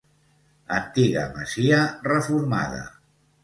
Antiga masia reformada.